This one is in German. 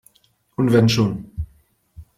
Und wenn schon!